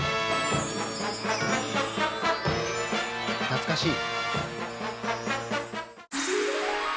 懐かしい。